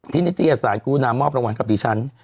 ที่นิตยาศาลกุณะมอบรางวัลกับดิฉัน